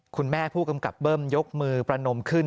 ผู้กำกับเบิ้มยกมือประนมขึ้น